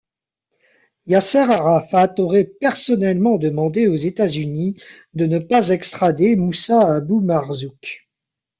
Yasser Arafat aurait personnellement demandé aux États-Unis de ne pas extrader Mousa Abou Marzouk.